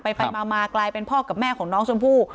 ไปมากลายเป็นพ่อกับแม่ของน้องชมพู่